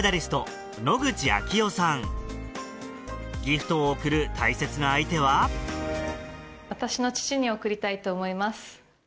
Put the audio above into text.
ギフトを贈る大切な相手は私の父に贈りたいと思います。